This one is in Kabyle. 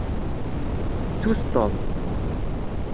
Ttut Tom.